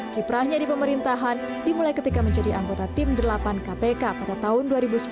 kiprahnya di pemerintahan dimulai ketika menjadi anggota tim delapan kpk pada tahun dua ribu sepuluh